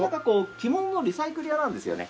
着物のリサイクル屋なんですよね。